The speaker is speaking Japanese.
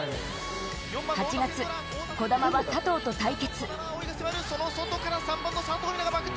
８月、児玉は佐藤と対決。